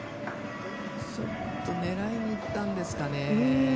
ちょっと狙いに行ったんですかね。